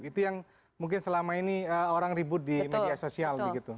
itu yang mungkin selama ini orang ribut di media sosial begitu